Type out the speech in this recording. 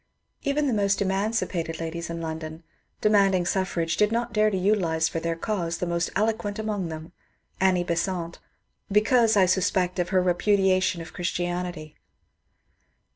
Even the most emancipated ladies in London, demanding suf frage, did not dare to utilize for their cause the most eloquent among them, — Annie Besant, — because, I suspect, of her repudiation of Christianity.